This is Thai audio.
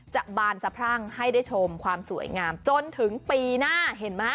บานสะพรั่งให้ได้ชมความสวยงามจนถึงปีหน้าเห็นไหม